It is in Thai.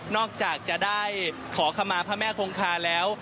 จากจะได้ขอขมาพระแม่คงคาแล้ว